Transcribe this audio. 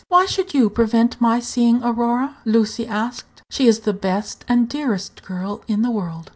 "Why should you prevent my seeing Aurora?" Lucy asked; "she is the best and dearest girl in the world.